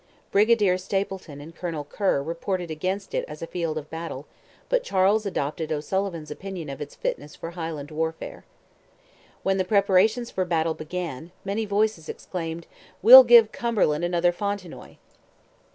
Brigadier Stapleton and Colonel Kerr reported against it as a field of battle; but Charles adopted O'Sullivan's opinion of its fitness for Highland warfare. When the preparations for battle began, "many voices exclaimed, 'We'll give Cumberland another Fontenoy!'"